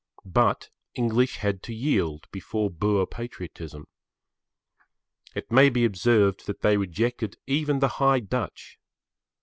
But English had to yield before Boer patriotism. It may be observed that they rejected even the High Dutch.